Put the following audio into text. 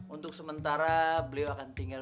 untuk sementara beliau akan tinggal